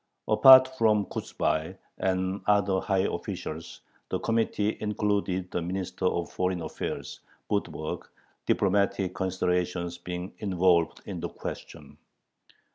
Apart from Kochubay and other high officials, the committee included the Minister of Foreign Affairs, Budberg, diplomatic considerations being involved in the question.